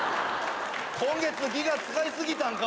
今月ギガ使い過ぎたんか？